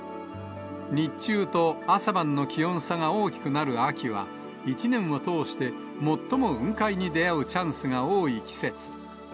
日中と朝晩の気温差が大きくなる秋は、一年を通して、最も雲海に出会うチャンスが多い季節。